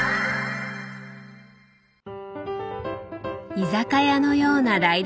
居酒屋のような台所。